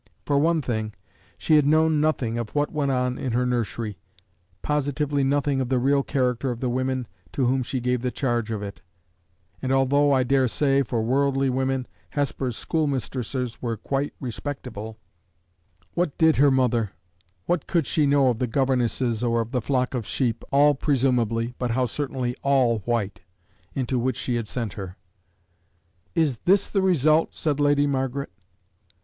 For one thing, she had known nothing of what went on in her nursery, positively nothing of the real character of the women to whom she gave the charge of it; and although, I dare say, for worldly women, Hesper's schoolmistresses were quite respectable what did her mother, what could she know of the governesses or of the flock of sheep all presumably, but how certainly all white? into which she had sent her? "Is this the result?" said Lady Margaret.